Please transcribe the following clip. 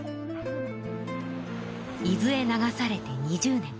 伊豆へ流されて２０年。